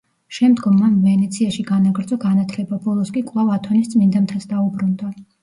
შემდგომ მან ვენეციაში განაგრძო განათლება, ბოლოს კი კვლავ ათონის წმიდა მთას დაუბრუნდა.